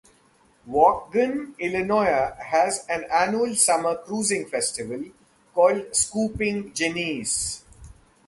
Waukegan, Illinois, has an annual summer cruising festival called "Scoopin' Genesee".